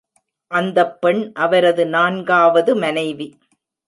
அந்தப் பெண் அவரது நான்காவது மனைவி.